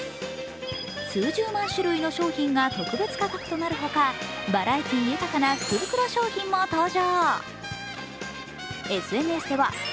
数十万種類の商品が特別価格となるほか、バラエティー豊かな福袋商品も登場。